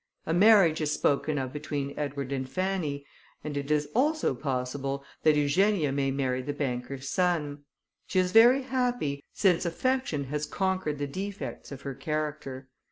A marriage is spoken of between Edward and Fanny, and it is also possible that Eugenia may marry the banker's son. She is very happy, since affection has conquered the defects of her character.